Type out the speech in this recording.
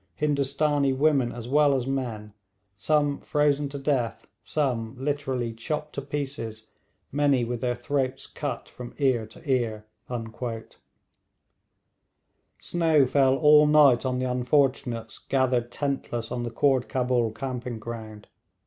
Hindustanee women as well as men some frozen to death, some literally chopped to pieces, many with their throats cut from ear to ear.' Snow fell all night on the unfortunates gathered tentless on the Khoord Cabul camping ground.